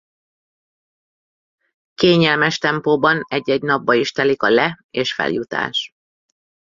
Kényelmes tempóban egy-egy napba is telik a le- és feljutás.